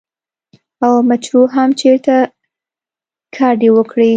او مچرو هم چرته کډې وکړې ـ